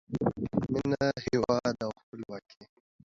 مینه، هیواد او خپلواکۍ